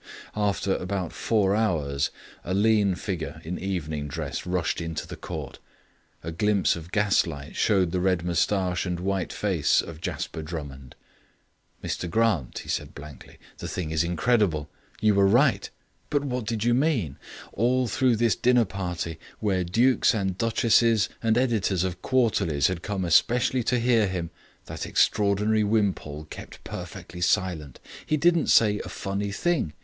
After about four hours a lean figure in evening dress rushed into the court. A glimpse of gaslight showed the red moustache and white face of Jasper Drummond. "Mr Grant," he said blankly, "the thing is incredible. You were right; but what did you mean? All through this dinner party, where dukes and duchesses and editors of Quarterlies had come especially to hear him, that extraordinary Wimpole kept perfectly silent. He didn't say a funny thing.